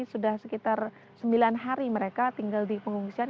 sudah sekitar sembilan hari mereka tinggal di pengungsian